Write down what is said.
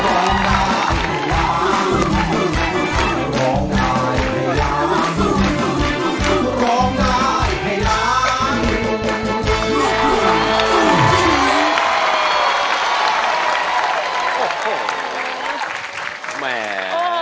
ร้องได้